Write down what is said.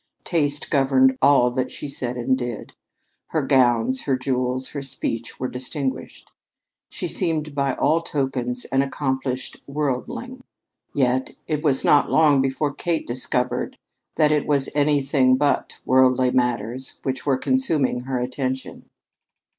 Taste governed all that she said and did. Her gowns, her jewels, her speech were distinguished. She seemed by all tokens an accomplished worldling; yet it was not long before Kate discovered that it was anything but worldly matters which were consuming her attention.